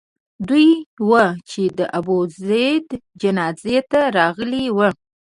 دوی وو چې د ابوزید جنازې ته راغلي وو.